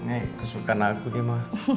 ini kesukaan aku nih ma